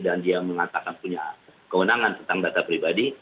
dan dia mengatakan punya kewenangan tentang data pribadi